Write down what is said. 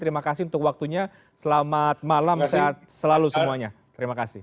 terima kasih untuk waktunya selamat malam sehat selalu semuanya terima kasih